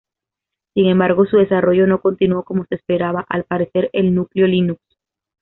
Sin embargo, su desarrollo no continuó como se esperaba al aparecer el núcleo Linux.